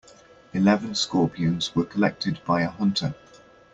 Eleven scorpions were collected by a hunter.